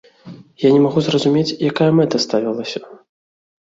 Я не магу зразумець, якая мэта ставілася.